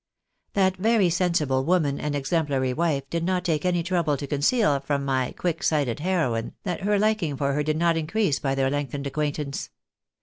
That very sensible woman and exemplary wife did not take any trouble to conceal from my quick sighted heroine, that her liking for her did not increase by their lengthened acquaintance.